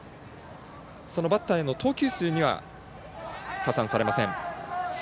バッターへの投球数には加算されません。